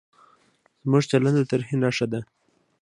زموږ چلند د ترهې نښه ده.